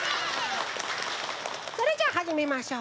それじゃあはじめましょう。